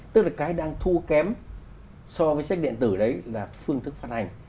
tức là cái đang thua kém so với sách điện tử đấy là phương thức phát hành